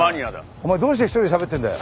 お前どうして一人でしゃべってるんだよ？